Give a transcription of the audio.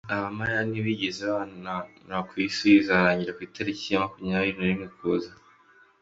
Abamaya ntibigeze bahanura ko isi izarangira ku itariki ya makumyabiri narimwe Ukuboza